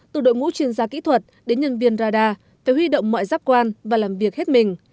từ đội ngũ chuyên gia kỹ thuật đến nhân viên radar phải huy động mọi giác quan và làm việc hết mình